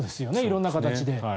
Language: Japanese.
色んな形で。